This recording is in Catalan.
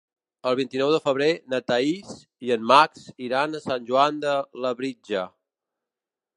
El vint-i-nou de febrer na Thaís i en Max iran a Sant Joan de Labritja.